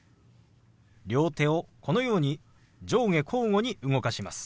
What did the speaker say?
両手をこのように上下交互に動かします。